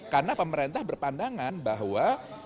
karena pemerintah berpandangan bahwa